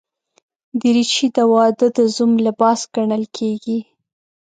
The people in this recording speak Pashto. دریشي د واده د زوم لباس ګڼل کېږي.